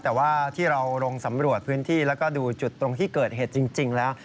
แต่ว่าที่เราลงสำรวจพื้นที่แล้วก็ดูจุดตรงที่เกิดเหตุจริงแล้ว